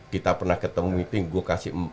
kita pernah ketemu meeting gue kasih